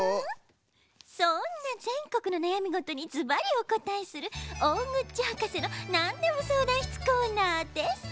そんなぜんこくのなやみごとにズバリおこたえする「大口博士のなんでも相談室」コーナーです。